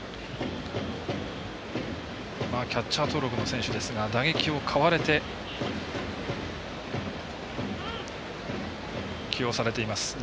キャッチャー登録の選手ですが打撃を買われて起用されています。